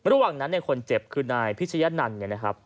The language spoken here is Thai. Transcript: ระหว่างนั้นเนี่ยคนเจ็บคือนายพิชยะนันต์เนี่ยนะครับ